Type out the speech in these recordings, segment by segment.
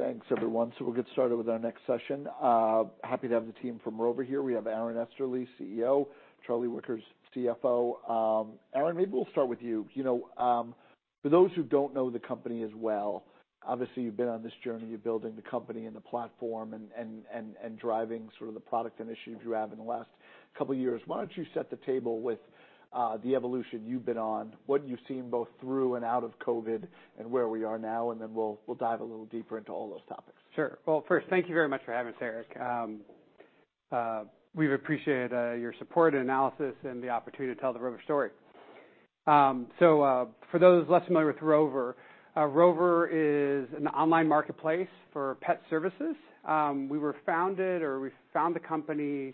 Thanks, everyone. So we'll get started with our next session. Happy to have the team from Rover here. We have Aaron Easterly, CEO, Charlie Wickers, CFO. Aaron, maybe we'll start with you. You know, for those who don't know the company as well, obviously, you've been on this journey of building the company and the platform and driving sort of the product initiative you have in the last couple of years. Why don't you set the table with the evolution you've been on, what you've seen both through and out of COVID, and where we are now, and then we'll dive a little deeper into all those topics. Sure. Well, first, thank you very much for having us, Eric. We've appreciated your support and analysis and the opportunity to tell the Rover story. So, for those less familiar with Rover, Rover is an online marketplace for pet services. We were founded, or we found the company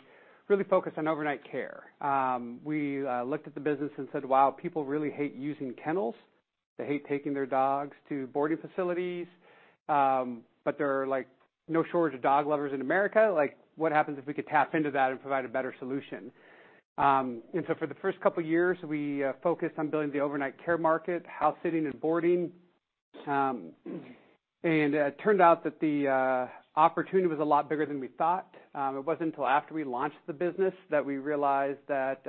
really focused on overnight care. We looked at the business and said, "Wow, people really hate using kennels. They hate taking their dogs to boarding facilities, but there are, like, no shortage of dog lovers in America. Like, what happens if we could tap into that and provide a better solution?" And so for the first couple of years, we focused on building the overnight care market, house sitting and boarding. And it turned out that the opportunity was a lot bigger than we thought. It wasn't until after we launched the business that we realized that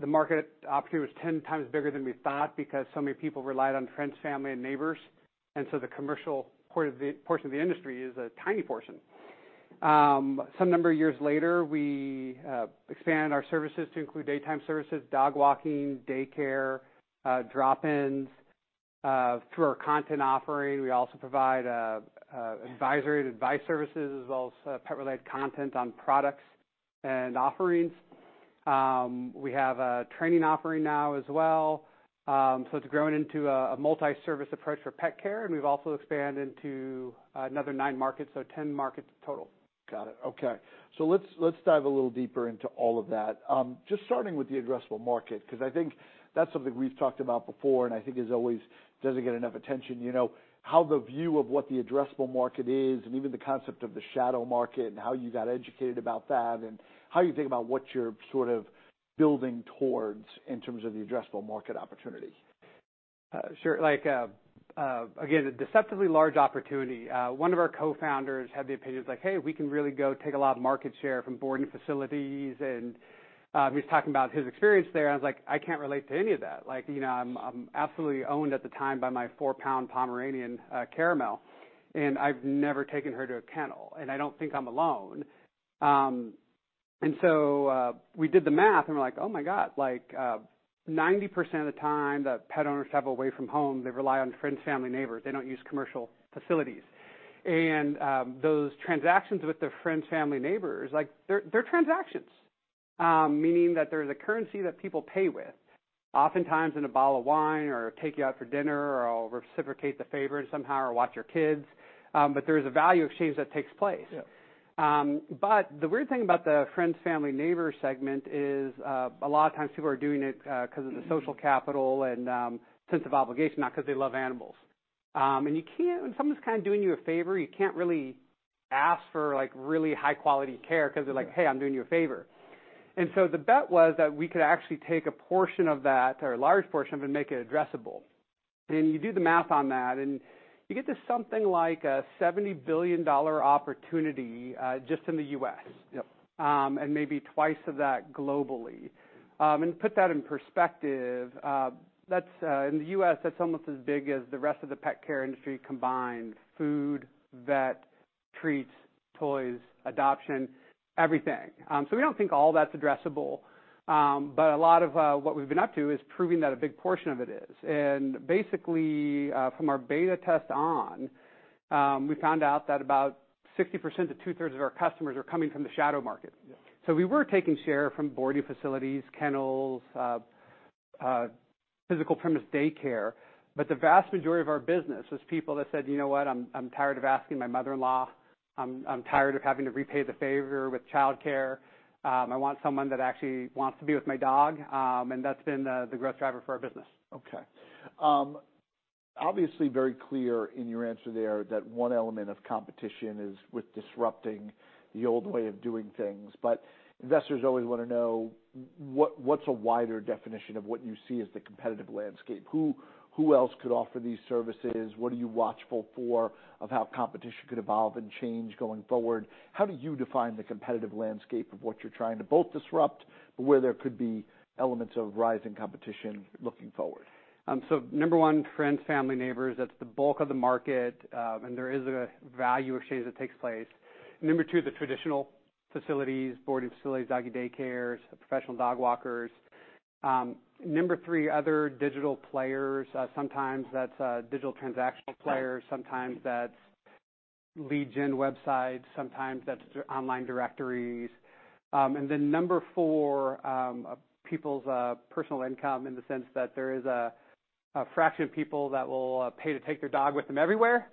the market opportunity was 10 times bigger than we thought because so many people relied on friends, family, and neighbors. And so the commercial part of the portion of the industry is a tiny portion. Some number of years later, we expanded our services to include daytime services, dog walking, daycare, drop-ins. Through our content offering, we also provide advisory and advice services, as well as pet-related content on products and offerings. We have a training offering now as well. So it's grown into a multi-service approach for pet care, and we've also expanded into another nine markets, so 10 markets total. Got it. Okay. So let's, let's dive a little deeper into all of that. Just starting with the addressable market, 'cause I think that's something we've talked about before, and I think as always, doesn't get enough attention. You know, how the view of what the addressable market is and even the concept of the shadow market and how you got educated about that, and how you think about what you're sort of building towards in terms of the addressable market opportunity. Sure. Like, again, a deceptively large opportunity. One of our co-founders had the opinion, like, "Hey, we can really go take a lot of market share from boarding facilities," and he was talking about his experience there. I was like: I can't relate to any of that. Like, you know, I'm, I'm absolutely owned at the time by my four-pound Pomeranian, Caramel, and I've never taken her to a kennel, and I don't think I'm alone. And so, we did the math, and we're like, oh, my God, like, 90% of the time that pet owners travel away from home, they rely on friends, family, neighbors. They don't use commercial facilities. Those transactions with their friends, family, neighbors, like they're, they're transactions, meaning that there's a currency that people pay with, oftentimes in a bottle of wine or take you out for dinner or I'll reciprocate the favor somehow or watch your kids. But there is a value exchange that takes place. Yeah. But the weird thing about the friends, family, neighbors segment is, a lot of times people are doing it, because of the social capital and, sense of obligation, not because they love animals. And you can't... When someone's kind of doing you a favor, you can't really ask for, like, really high-quality care because they're like, "Hey, I'm doing you a favor." And so the bet was that we could actually take a portion of that or a large portion of it and make it addressable. And you do the math on that, and you get to something like a $70 billion opportunity, just in the U.S. Yep. And maybe twice of that globally. And put that in perspective, that's, in the U.S., that's almost as big as the rest of the pet care industry combined: food, vet, treats, toys, adoption, everything. So we don't think all that's addressable, but a lot of, what we've been up to is proving that a big portion of it is. And basically, from our beta test on, we found out that about 60% to two-thirds of our customers are coming from the shadow market. Yeah. We were taking share from boarding facilities, kennels, physical premises daycare, but the vast majority of our business was people that said, "You know what? I'm tired of asking my mother-in-law. I'm tired of having to repay the favor with childcare. I want someone that actually wants to be with my dog," and that's been the growth driver for our business. Okay. Obviously very clear in your answer there that one element of competition is with disrupting the old way of doing things, but investors always want to know what, what's a wider definition of what you see as the competitive landscape? Who, who else could offer these services? What are you watchful for of how competition could evolve and change going forward? How do you define the competitive landscape of what you're trying to both disrupt, but where there could be elements of rising competition looking forward? So number one, friends, family, neighbors, that's the bulk of the market, and there is a value exchange that takes place. Number two, the traditional facilities, boarding facilities, doggy daycares, professional dog walkers. Number three, other digital players. Sometimes that's a digital transactional player, sometimes that's lead gen websites, sometimes that's online directories. And then number four, people's personal income in the sense that there is a fraction of people that will pay to take their dog with them everywhere.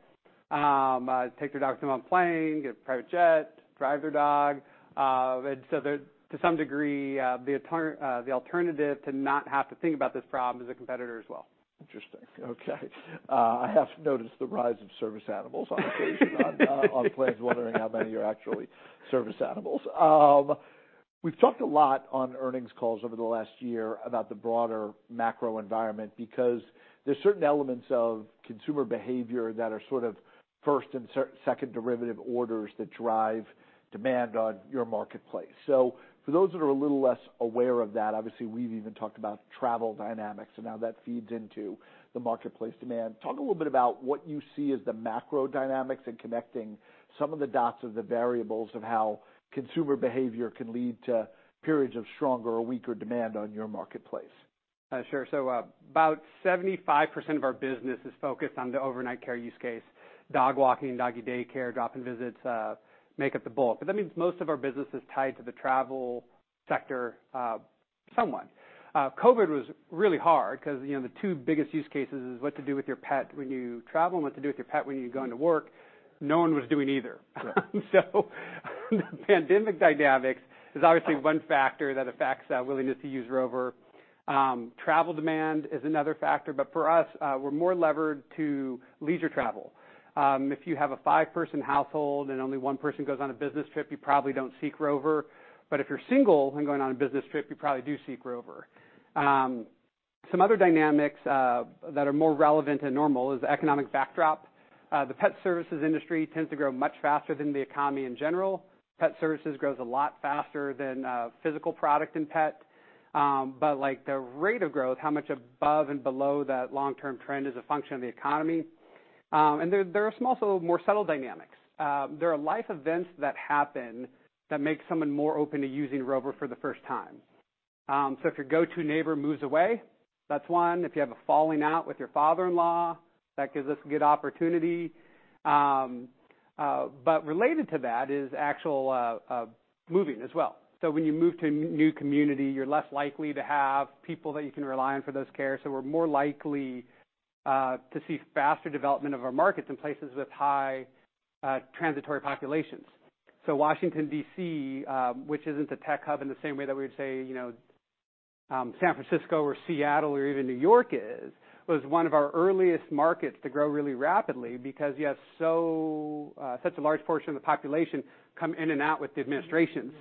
Take their dog with them on a plane, get a private jet, drive their dog. And so there, to some degree, the alternative to not have to think about this problem is a competitor as well. Interesting. Okay. I have noticed the rise of service animals on occasion on planes, wondering how many are actually service animals. We've talked a lot on earnings calls over the last year about the broader macro environment, because there's certain elements of consumer behavior that are sort of first and second derivative orders that drive demand on your marketplace. So for those that are a little less aware of that, obviously, we've even talked about travel dynamics and how that feeds into the marketplace demand. Talk a little bit about what you see as the macro dynamics in connecting some of the dots of the variables of how consumer behavior can lead to periods of stronger or weaker demand on your marketplace. Sure. So, about 75% of our business is focused on the overnight care use case. Dog Walking, Doggy Daycare, Drop-in Visits make up the bulk, but that means most of our business is tied to the travel sector, somewhat. COVID was really hard because, you know, the two biggest use cases is what to do with your pet when you travel and what to do with your pet when you're going to work. No one was doing either. Right. The pandemic dynamics is obviously one factor that affects the willingness to use Rover. Travel demand is another factor, but for us, we're more levered to leisure travel. If you have a five-person household and only one person goes on a business trip, you probably don't seek Rover. But if you're single and going on a business trip, you probably do seek Rover. Some other dynamics that are more relevant and normal is the economic backdrop. The pet services industry tends to grow much faster than the economy in general. Pet services grows a lot faster than physical product in pet, but like the rate of growth, how much above and below that long-term trend is a function of the economy. And there are some also more subtle dynamics. There are life events that happen that make someone more open to using Rover for the first time. So if your go-to neighbor moves away, that's one. If you have a falling out with your father-in-law, that gives us a good opportunity. But related to that is actual moving as well. So when you move to a new community, you're less likely to have people that you can rely on for those cares. So we're more likely to see faster development of our markets in places with high transitory populations. So Washington, D.C., which isn't a tech hub in the same way that we would say, you know, San Francisco or Seattle or even New York is, was one of our earliest markets to grow really rapidly because you have so, such a large portion of the population come in and out with the administrations,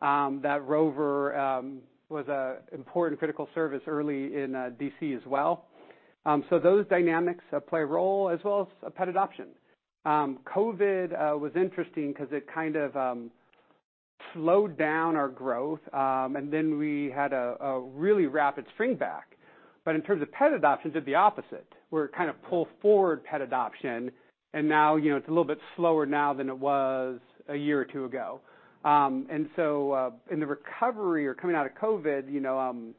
that Rover was a important critical service early in, D.C. as well. So those dynamics play a role as well as pet adoption. COVID was interesting because it kind of slowed down our growth, and then we had a really rapid spring back. But in terms of pet adoption, did the opposite, where it kind of pull forward pet adoption, and now, you know, it's a little bit slower now than it was a year or two ago. And so, in the recovery or coming out of COVID, you know,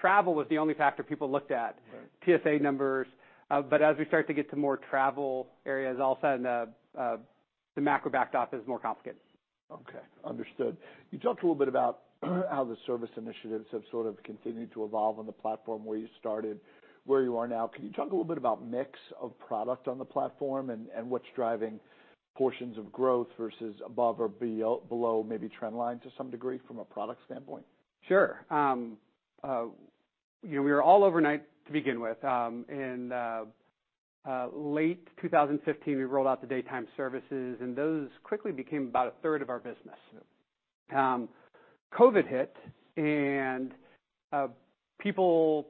travel was the only factor people looked at. Right. TSA numbers. But as we start to get to more travel areas, all of a sudden, the macro backdrop is more complicated. Okay, understood. You talked a little bit about how the service initiatives have sort of continued to evolve on the platform, where you started, where you are now. Can you talk a little bit about mix of product on the platform and what's driving portions of growth versus above or below maybe trend line to some degree from a product standpoint? Sure. You know, we were all overnight to begin with. Late 2015, we rolled out the daytime services, and those quickly became about a third of our business. Yeah. COVID hit, and people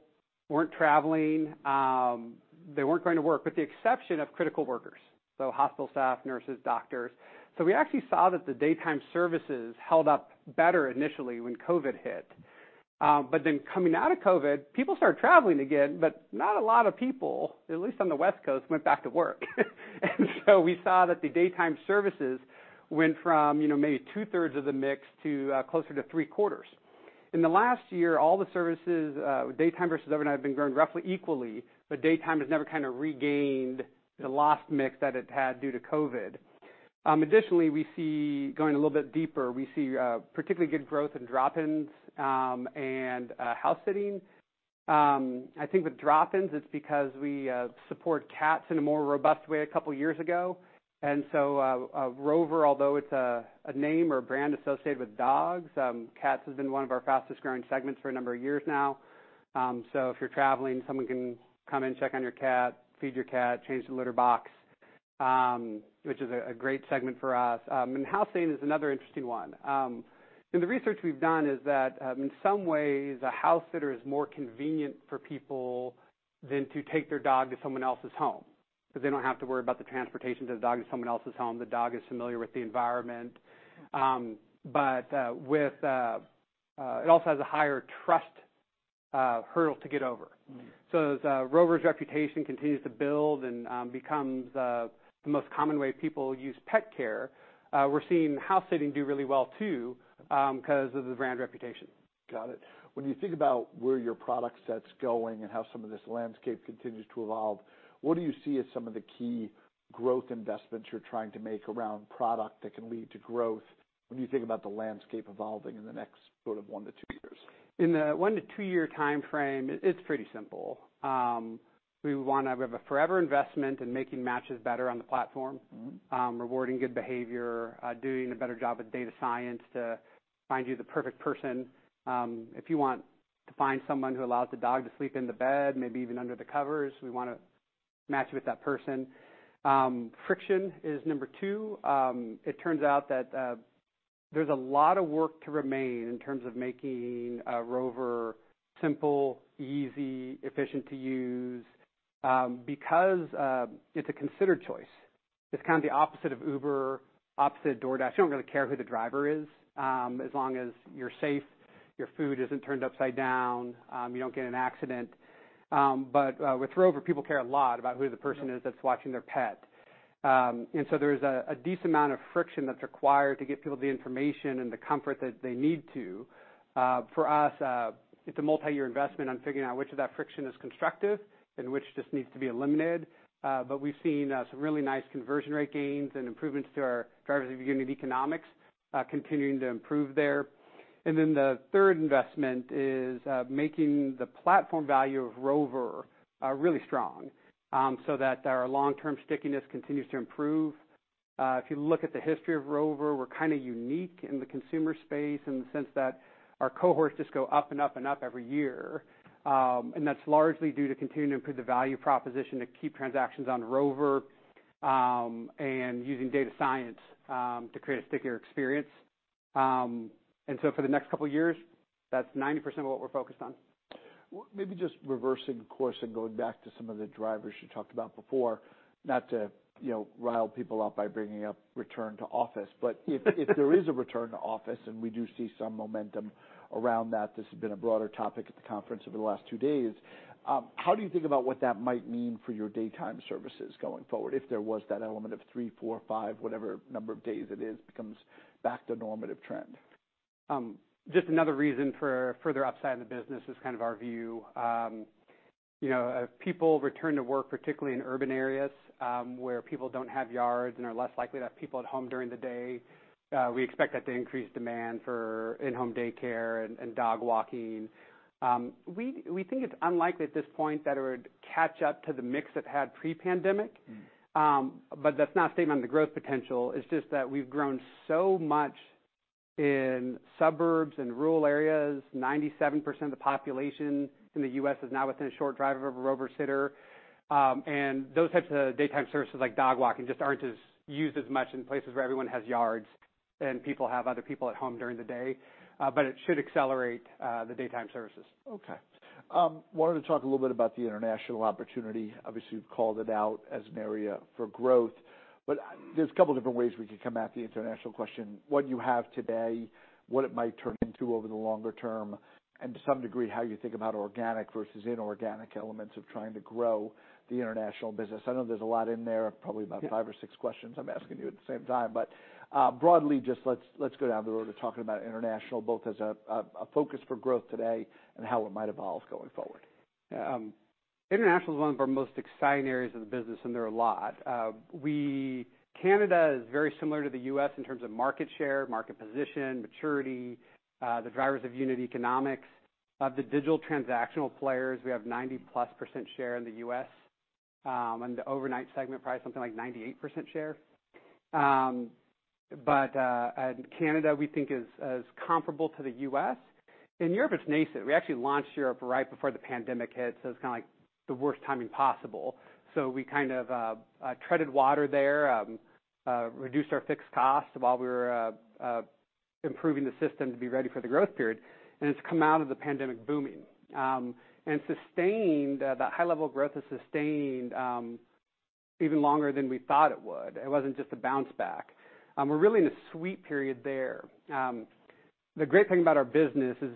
weren't traveling, they weren't going to work, with the exception of critical workers, so hospital staff, nurses, doctors. So we actually saw that the daytime services held up better initially when COVID hit. But then coming out of COVID, people started traveling again, but not a lot of people, at least on the West Coast, went back to work. And so we saw that the daytime services went from, you know, maybe two-thirds of the mix to closer to three-quarters. In the last year, all the services, daytime versus overnight, have been growing roughly equally, but daytime has never kind of regained the lost mix that it had due to COVID. Additionally, we see, going a little bit deeper, we see particularly good growth in drop-ins and house sitting. I think with drop-ins, it's because we support cats in a more robust way a couple of years ago. And so, Rover, although it's a name or brand associated with dogs, cats has been one of our fastest growing segments for a number of years now. So if you're traveling, someone can come in, check on your cat, feed your cat, change the litter box, which is a great segment for us. And house sitting is another interesting one. And the research we've done is that, in some ways, a house sitter is more convenient for people than to take their dog to someone else's home, because they don't have to worry about the transportation to the dog to someone else's home. The dog is familiar with the environment. But with... It also has a higher trust hurdle to get over. Mm-hmm. So as Rover's reputation continues to build and becomes the most common way people use pet care, we're seeing house sitting do really well, too, because of the brand reputation. Got it. When you think about where your product set's going and how some of this landscape continues to evolve, what do you see as some of the key growth investments you're trying to make around product that can lead to growth when you think about the landscape evolving in the next sort of 1-2 years? In the 1-2-year time frame, it's pretty simple. We want to have a forever investment in making matches better on the platform. Mm-hmm. Rewarding good behavior, doing a better job with data science to find you the perfect person. If you want to find someone who allows the dog to sleep in the bed, maybe even under the covers, we want to match with that person. Friction is number two. It turns out that there's a lot of work to remain in terms of making Rover simple, easy, efficient to use, because it's a considered choice. It's kind of the opposite of Uber, opposite of DoorDash. You don't really care who the driver is, as long as you're safe, your food isn't turned upside down, you don't get in an accident. But with Rover, people care a lot about who the person is that's watching their pet. And so there's a decent amount of friction that's required to get people the information and the comfort that they need to. For us, it's a multi-year investment on figuring out which of that friction is constructive and which just needs to be eliminated. But we've seen some really nice conversion rate gains and improvements to our drivers of unit economics, continuing to improve there. And then the third investment is making the platform value of Rover really strong, so that our long-term stickiness continues to improve. If you look at the history of Rover, we're kind of unique in the consumer space in the sense that our cohorts just go up and up and up every year. And that's largely due to continuing to improve the value proposition to keep transactions on Rover, and using data science to create a stickier experience. And so for the next couple of years, that's 90% of what we're focused on. Well, maybe just reversing course and going back to some of the drivers you talked about before. Not to, you know, rile people up by bringing up return to office, but if, if there is a return to office, and we do see some momentum around that, this has been a broader topic at the conference over the last two days, how do you think about what that might mean for your daytime services going forward, if there was that element of three, four, five, whatever number of days it is, becomes back to normative trend? Just another reason for further upside in the business is kind of our view. You know, as people return to work, particularly in urban areas, where people don't have yards and are less likely to have people at home during the day, we expect that to increase demand for in-home daycare and, and dog walking. We, we think it's unlikely at this point that it would catch up to the mix it had pre-pandemic. But that's not a statement on the growth potential. It's just that we've grown so much in suburbs and rural areas. 97% of the population in the U.S. is now within a short drive of a Rover sitter. Those types of daytime services, like dog walking, just aren't as used as much in places where everyone has yards and people have other people at home during the day. But it should accelerate the daytime services. Okay. Wanted to talk a little bit about the international opportunity. Obviously, you've called it out as an area for growth, but there's a couple different ways we could come at the international question. What you have today, what it might turn into over the longer term, and to some degree, how you think about organic versus inorganic elements of trying to grow the international business. I know there's a lot in there, probably about five or six questions I'm asking you at the same time. But, broadly, just let's go down the road of talking about international, both as a focus for growth today and how it might evolve going forward. International is one of our most exciting areas of the business, and there are a lot. Canada is very similar to the U.S. in terms of market share, market position, maturity, the drivers of unit economics. Of the digital transactional players, we have 90+% share in the U.S., and the overnight segment, probably something like 98% share. And Canada, we think is comparable to the U.S. In Europe, it's nascent. We actually launched Europe right before the pandemic hit, so it's kind of like the worst timing possible. So we kind of treaded water there, reduced our fixed costs while we were improving the system to be ready for the growth period, and it's come out of the pandemic booming. And sustained that high level of growth has sustained even longer than we thought it would. It wasn't just a bounce back. We're really in a sweet period there. The great thing about our business is,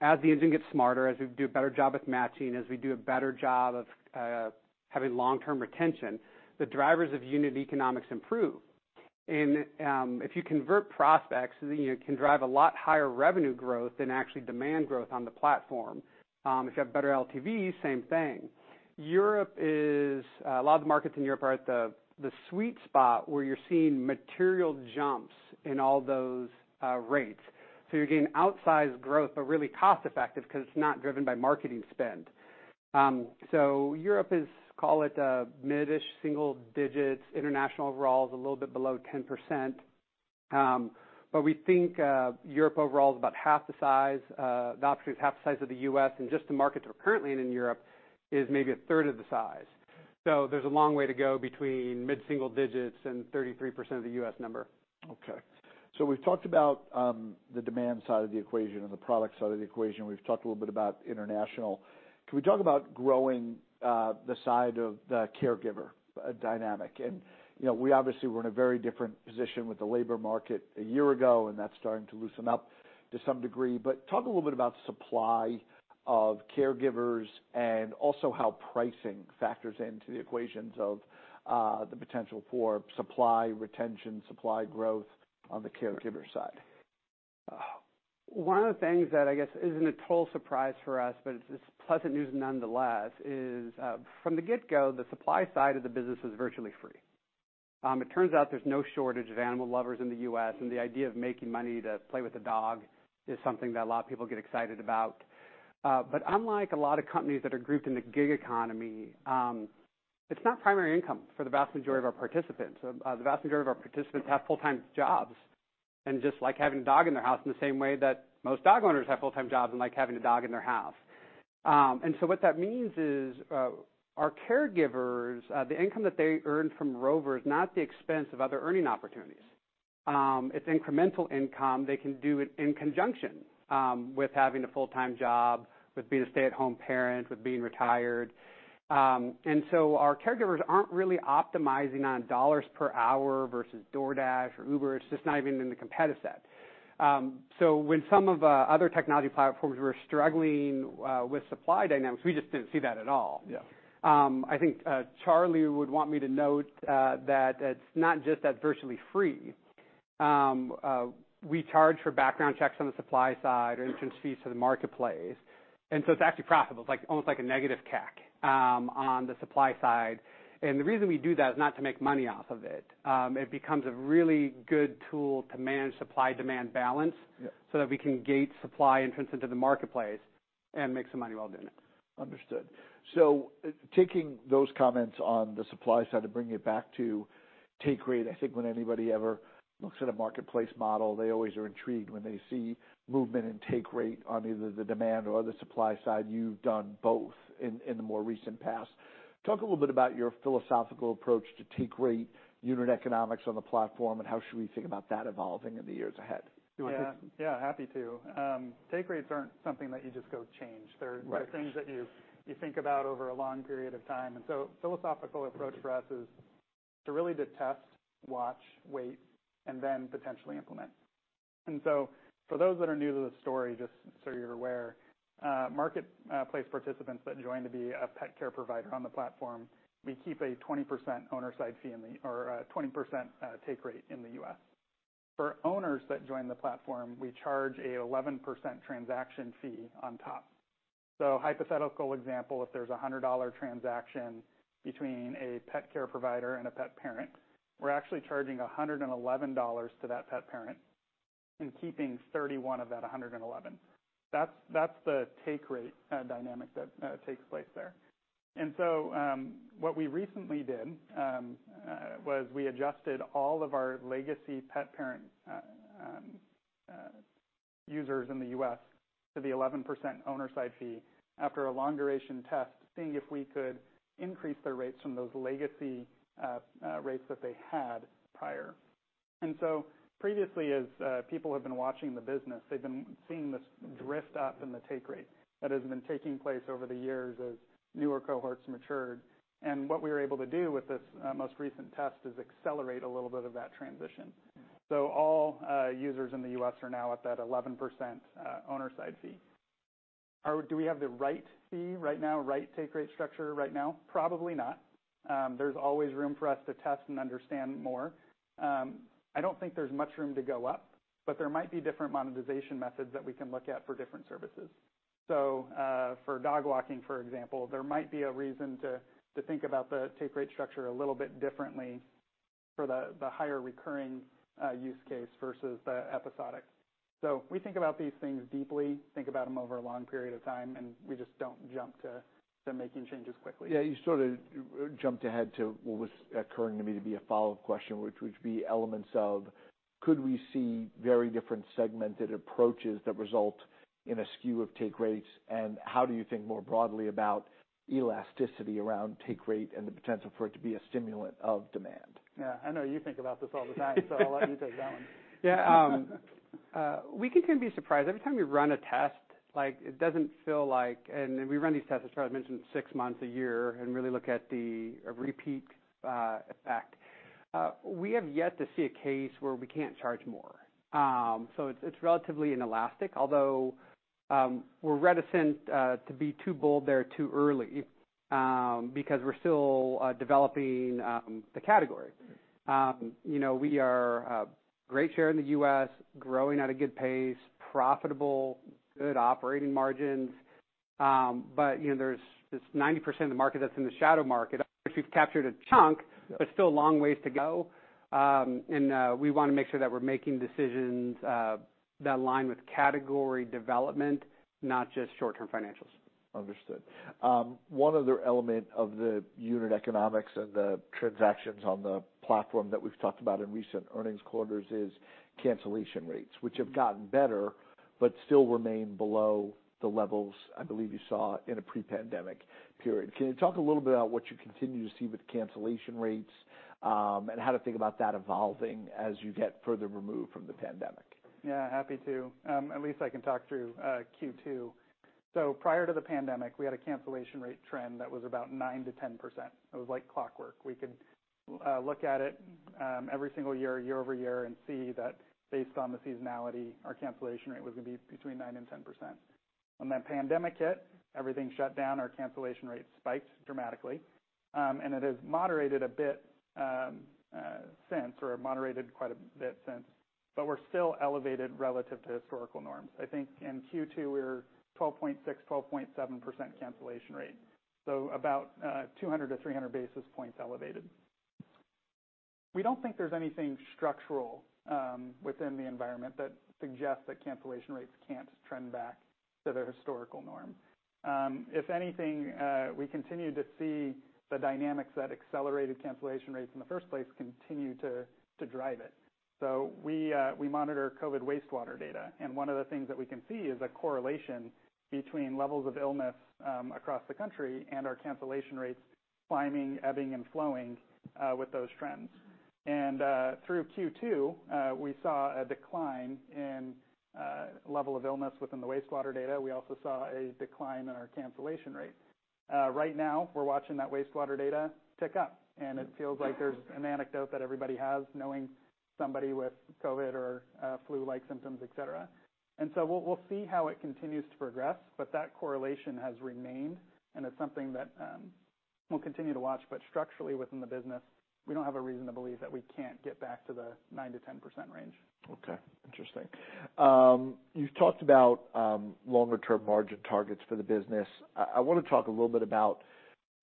as the engine gets smarter, as we do a better job with matching, as we do a better job of having long-term retention, the drivers of unit economics improve. And if you convert prospects, then you can drive a lot higher revenue growth than actually demand growth on the platform. If you have better LTV, same thing. Europe is a lot of the markets in Europe are at the sweet spot where you're seeing material jumps in all those rates. So you're getting outsized growth, but really cost-effective because it's not driven by marketing spend. So Europe is, call it, a mid-ish single digits. International overall is a little bit below 10%. But we think, Europe overall is about half the size, the opportunity is half the size of the U.S., and just the markets we're currently in, in Europe, is maybe a third of the size. So there's a long way to go between mid-single digits and 33% of the U.S. number. Okay. So we've talked about the demand side of the equation and the product side of the equation. We've talked a little bit about international. Can we talk about growing the side of the caregiver dynamic? And, you know, we obviously were in a very different position with the labor market a year ago, and that's starting to loosen up to some degree. But talk a little bit about supply of caregivers and also how pricing factors into the equations of the potential for supply, retention, supply growth on the caregiver side. One of the things that I guess isn't a total surprise for us, but it's pleasant news nonetheless, is from the get-go, the supply side of the business was virtually free. It turns out there's no shortage of animal lovers in the U.S., and the idea of making money to play with a dog is something that a lot of people get excited about. But unlike a lot of companies that are grouped in the gig economy, it's not primary income for the vast majority of our participants. The vast majority of our participants have full-time jobs and just like having a dog in their house in the same way that most dog owners have full-time jobs and like having a dog in their house. What that means is our caregivers, the income that they earn from Rover, is not at the expense of other earning opportunities. It's incremental income. They can do it in conjunction with having a full-time job, with being a stay-at-home parent, with being retired. Our caregivers aren't really optimizing on dollars per hour versus DoorDash or Uber. It's just not even in the competitive set. When some other technology platforms were struggling with supply dynamics, we just didn't see that at all. Yeah. I think, Charlie would want me to note that it's not just that virtually free. We charge for background checks on the supply side or entrance fees to the marketplace, and so it's actually profitable, it's like, almost like a negative CAC, on the supply side. And the reason we do that is not to make money off of it. It becomes a really good tool to manage supply-demand balance- Yeah. so that we can gate supply entrance into the marketplace and make some money while doing it. Understood. So taking those comments on the supply side to bring it back to take rate, I think when anybody ever looks at a marketplace model, they always are intrigued when they see movement in take rate on either the demand or the supply side. You've done both in the more recent past. Talk a little bit about your philosophical approach to take rate unit economics on the platform, and how should we think about that evolving in the years ahead? Do you want to take this one? Yeah, yeah, happy to. Take rates aren't something that you just go change. Right. They're things that you, you think about over a long period of time. Philosophical approach for us is to really just test, watch, wait, and then potentially implement. For those that are new to the story, just so you're aware, marketplace participants that join to be a pet care provider on the platform, we keep a 20% owner side fee in the... or, 20% take rate in the U.S. For owners that join the platform, we charge an 11% transaction fee on top. Hypothetical example, if there's a $100 transaction between a pet care provider and a pet parent, we're actually charging $111 to that pet parent and keeping $31 of that $111. That's the take rate dynamic that takes place there. What we recently did was we adjusted all of our legacy pet parent users in the U.S. to the 11% owner side fee after a long duration test, seeing if we could increase their rates from those legacy rates that they had prior. Previously, as people have been watching the business, they've been seeing this drift up in the take rate that has been taking place over the years as newer cohorts matured. What we were able to do with this most recent test is accelerate a little bit of that transition. All users in the U.S. are now at that 11% owner side fee. Do we have the right fee right now, right take rate structure right now? Probably not. There's always room for us to test and understand more. I don't think there's much room to go up, but there might be different monetization methods that we can look at for different services. So, for dog walking, for example, there might be a reason to think about the take rate structure a little bit differently for the higher recurring use case versus the episodic. So we think about these things deeply, think about them over a long period of time, and we just don't jump to making changes quickly. Yeah, you sort of jumped ahead to what was occurring to me to be a follow-up question, which would be elements of could we see very different segmented approaches that result in a skew of take rates? And how do you think more broadly about elasticity around take rate and the potential for it to be a stimulant of demand? Yeah, I know you think about this all the time, so I'll let you take that one. Yeah, we can tend to be surprised. Every time we run a test, like, it doesn't feel like... We run these tests, as Charlie mentioned, six months a year, and really look at the repeat effect. We have yet to see a case where we can't charge more. So it's relatively inelastic, although we're reticent to be too bold there too early, because we're still developing the category. You know, we are a great share in the U.S., growing at a good pace, profitable, good operating margins. But you know, there's this 90% of the market that's in the shadow market, which we've captured a chunk- Yeah... but still a long ways to go. We want to make sure that we're making decisions that align with category development, not just short-term financials. Understood. One other element of the unit economics and the transactions on the platform that we've talked about in recent earnings quarters is cancellation rates, which have gotten better, but still remain below the levels I believe you saw in a pre-pandemic period. Can you talk a little bit about what you continue to see with cancellation rates, and how to think about that evolving as you get further removed from the pandemic? Yeah, happy to. At least I can talk through Q2. So prior to the pandemic, we had a cancellation rate trend that was about 9%-10%. It was like clockwork. We could look at it every single year, year-over-year, and see that based on the seasonality, our cancellation rate was gonna be between 9% and 10%. When the pandemic hit, everything shut down, our cancellation rate spiked dramatically, and it has moderated a bit since, or moderated quite a bit since, but we're still elevated relative to historical norms. I think in Q2, we were 12.6%-12.7% cancellation rate, so about 200-300 basis points elevated. We don't think there's anything structural within the environment that suggests that cancellation rates can't trend back to the historical norm. If anything, we continue to see the dynamics that accelerated cancellation rates in the first place continue to drive it. So we monitor COVID wastewater data, and one of the things that we can see is a correlation between levels of illness across the country and our cancellation rates climbing, ebbing, and flowing with those trends. Through Q2, we saw a decline in level of illness within the wastewater data. We also saw a decline in our cancellation rate. Right now, we're watching that wastewater data tick up, and it feels like there's an anecdote that everybody has, knowing somebody with COVID or flu-like symptoms, et cetera. So we'll see how it continues to progress, but that correlation has remained, and it's something that we'll continue to watch. Structurally, within the business, we don't have a reason to believe that we can't get back to the 9%-10% range. Okay, interesting. You've talked about longer-term margin targets for the business. I wanna talk a little bit about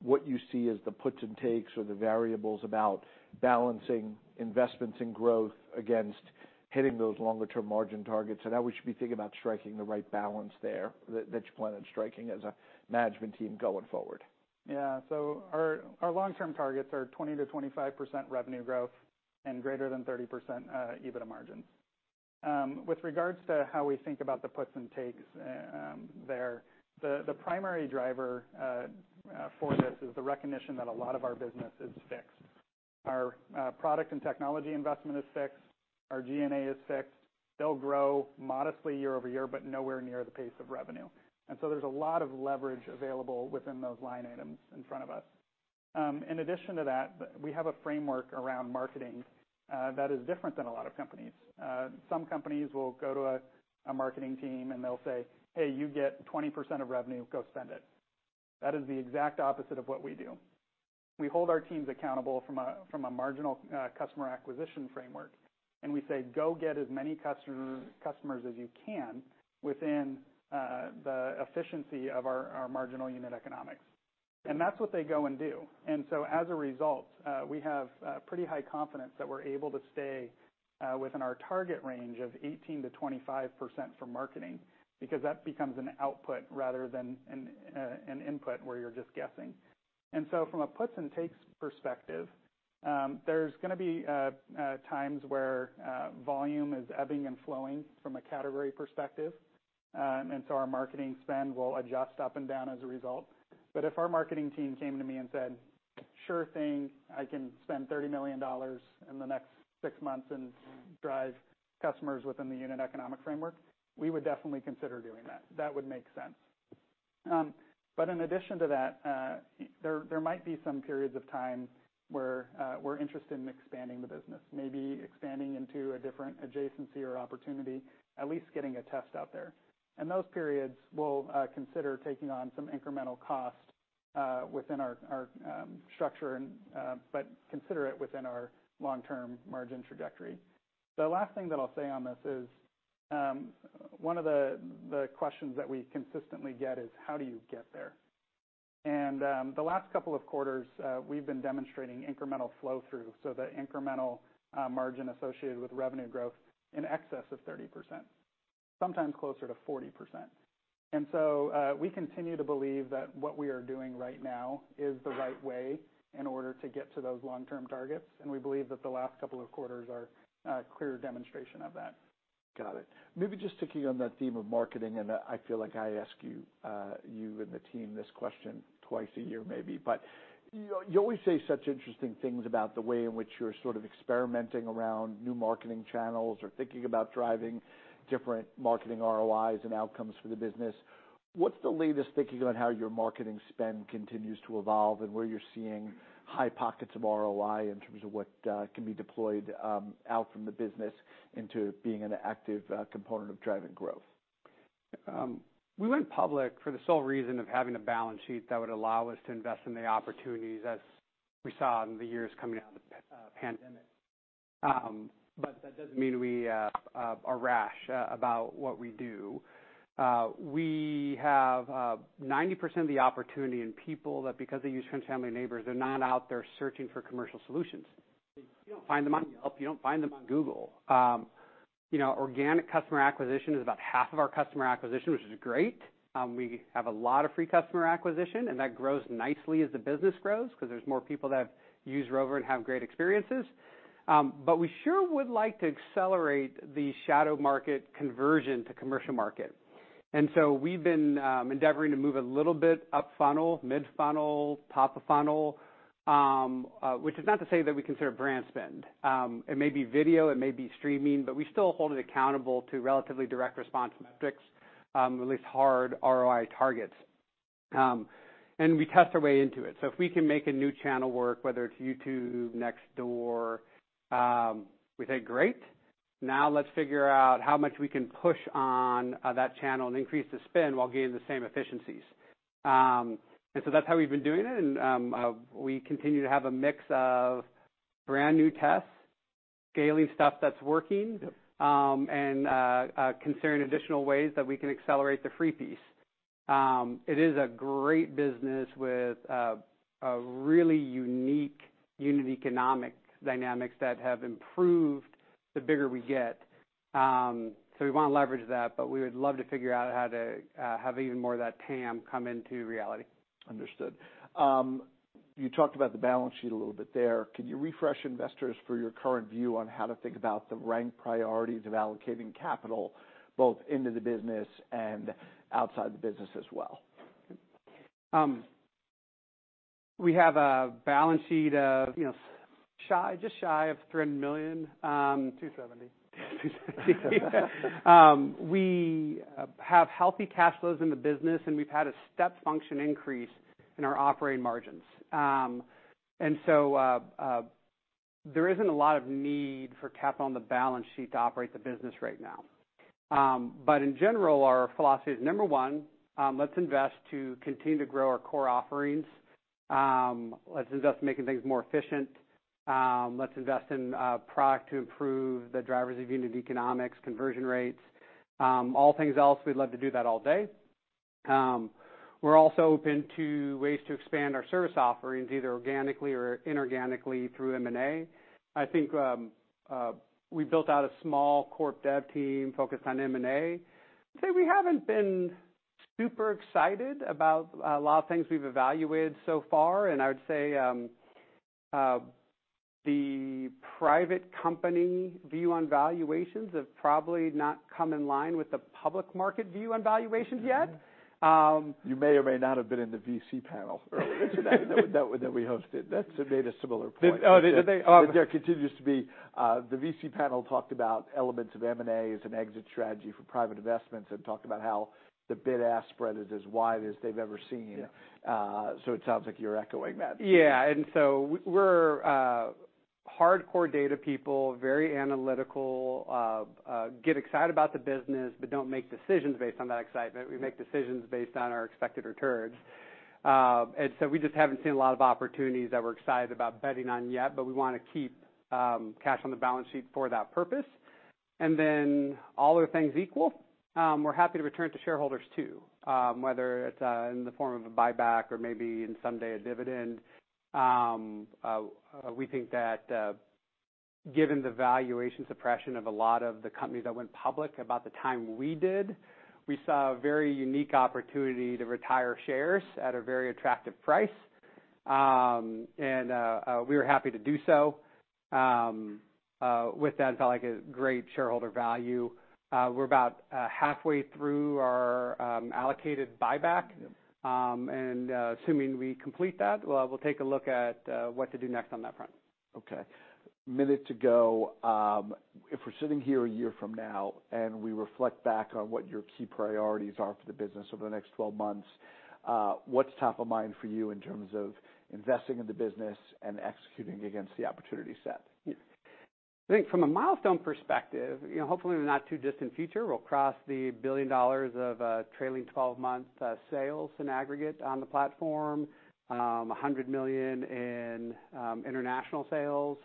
what you see as the puts and takes or the variables about balancing investments in growth against hitting those longer-term margin targets, and how we should be thinking about striking the right balance there, that you plan on striking as a management team going forward. Yeah. So our long-term targets are 20%-25% revenue growth and greater than 30% EBITDA margins. With regards to how we think about the puts and takes, the primary driver for this is the recognition that a lot of our business is fixed. Our product and technology investment is fixed, our G&A is fixed. They'll grow modestly year-over-year, but nowhere near the pace of revenue. And so there's a lot of leverage available within those line items in front of us. In addition to that, we have a framework around marketing that is different than a lot of companies. Some companies will go to a marketing team, and they'll say: "Hey, you get 20% of revenue, go spend it." That is the exact opposite of what we do. We hold our teams accountable from a marginal customer acquisition framework, and we say, "Go get as many customers as you can within the efficiency of our marginal unit economics." And that's what they go and do. And so as a result, we have pretty high confidence that we're able to stay within our target range of 18%-25% for marketing, because that becomes an output rather than an input where you're just guessing. And so from a puts and takes perspective, there's gonna be times where volume is ebbing and flowing from a category perspective, and so our marketing spend will adjust up and down as a result. But if our marketing team came to me and said: "Sure thing, I can spend $30 million in the next six months and drive customers within the unit economic framework," we would definitely consider doing that. That would make sense. But in addition to that, there might be some periods of time where we're interested in expanding the business, maybe expanding into a different adjacency or opportunity, at least getting a test out there. In those periods, we'll consider taking on some incremental cost within our structure and but consider it within our long-term margin trajectory. The last thing that I'll say on this is, one of the questions that we consistently get is, how do you get there? And, the last couple of quarters, we've been demonstrating incremental flow-through, so the incremental margin associated with revenue growth in excess of 30%, sometimes closer to 40%. And so, we continue to believe that what we are doing right now is the right way in order to get to those long-term targets, and we believe that the last couple of quarters are a clear demonstration of that. Got it. Maybe just sticking on that theme of marketing, and I feel like I ask you, you and the team this question twice a year maybe. But you, you always say such interesting things about the way in which you're sort of experimenting around new marketing channels or thinking about driving different marketing ROIs and outcomes for the business. What's the latest thinking on how your marketing spend continues to evolve and where you're seeing high pockets of ROI in terms of what can be deployed, out from the business into being an active, component of driving growth? We went public for the sole reason of having a balance sheet that would allow us to invest in the opportunities as we saw in the years coming out of the pandemic. But that doesn't mean we are rash about what we do. We have 90% of the opportunity in people that, because they use friends, family, and neighbors, they're not out there searching for commercial solutions. You don't find them on Yelp, you don't find them on Google. You know, organic customer acquisition is about half of our customer acquisition, which is great. We have a lot of free customer acquisition, and that grows nicely as the business grows, 'cause there's more people that have used Rover and have great experiences. But we sure would like to accelerate the shadow market conversion to commercial market. And so we've been endeavoring to move a little bit up funnel, mid-funnel, top of funnel, which is not to say that we consider brand spend. It may be video, it may be streaming, but we still hold it accountable to relatively direct response metrics, at least hard ROI targets. And we test our way into it. So if we can make a new channel work, whether it's YouTube, Nextdoor, we say: Great, now let's figure out how much we can push on that channel and increase the spend while gaining the same efficiencies. And so that's how we've been doing it, and we continue to have a mix of brand-new tests, scaling stuff that's working- Yep. considering additional ways that we can accelerate the free piece.... It is a great business with a really unique unit economics that have improved the bigger we get. So we want to leverage that, but we would love to figure out how to have even more of that TAM come into reality. Understood. You talked about the balance sheet a little bit there. Can you refresh investors for your current view on how to think about the rank priorities of allocating capital, both into the business and outside the business as well? We have a balance sheet of, you know, just shy of $300 million, Two seventy. We have healthy cash flows in the business, and we've had a step function increase in our operating margins. And so, there isn't a lot of need for capital on the balance sheet to operate the business right now. But in general, our philosophy is, number one, let's invest to continue to grow our core offerings. Let's invest in making things more efficient. Let's invest in product to improve the drivers of unit economics, conversion rates, all things else. We'd love to do that all day. We're also open to ways to expand our service offerings, either organically or inorganically through M&A. I think, we built out a small corp dev team focused on M&A. I'd say we haven't been super excited about a lot of things we've evaluated so far, and I would say, the private company view on valuations have probably not come in line with the public market view on valuations yet. You may or may not have been in the VC panel earlier today that we hosted. That's. They made a similar point. Oh, did they? That there continues to be. The VC panel talked about elements of M&A as an exit strategy for private investments and talked about how the bid-ask spread is as wide as they've ever seen. Yeah. So it sounds like you're echoing that. Yeah, and so we're hardcore data people, very analytical, get excited about the business, but don't make decisions based on that excitement. We make decisions based on our expected returns. And so we just haven't seen a lot of opportunities that we're excited about betting on yet, but we wanna keep cash on the balance sheet for that purpose. And then, all other things equal, we're happy to return to shareholders, too, whether it's in the form of a buyback or maybe in someday a dividend. We think that, given the valuation suppression of a lot of the companies that went public about the time we did, we saw a very unique opportunity to retire shares at a very attractive price. And we were happy to do so with that, felt like a great shareholder value. We're about halfway through our allocated buyback. Yep. Assuming we complete that, we'll take a look at what to do next on that front. Okay. Minute to go. If we're sitting here a year from now, and we reflect back on what your key priorities are for the business over the next 12 months, what's top of mind for you in terms of investing in the business and executing against the opportunity set? I think from a milestone perspective, you know, hopefully, in the not-too-distant future, we'll cross the $1 billion of trailing twelve-month sales in aggregate on the platform, $100 million in international sales,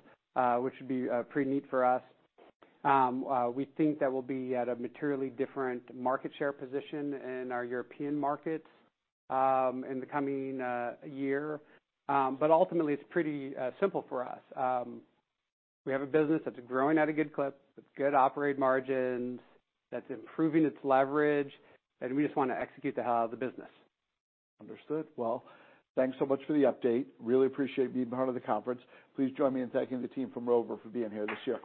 which would be pretty neat for us. We think that we'll be at a materially different market share position in our European markets, in the coming year. But ultimately, it's pretty simple for us. We have a business that's growing at a good clip, with good operating margins, that's improving its leverage, and we just want to execute the hell out of the business. Understood. Well, thanks so much for the update. Really appreciate you being part of the conference. Please join me in thanking the team from Rover for being here this year.